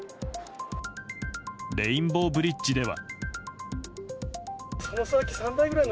レインボーブリッジでは。